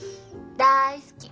大好き。